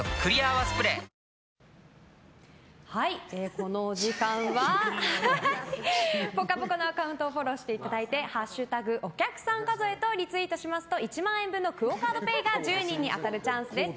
この時間は「ぽかぽか」のアカウントをフォローしていただいて「＃お客さん数え」とリツイートしますと１万円分のＱＵＯカードＰａｙが１０人に当たるチャンスです。